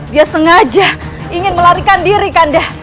dia sengaja ingin melarikan diri kanda